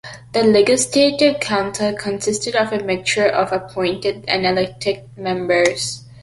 The Legislative Council consisted of a mixture of appointed and elected members.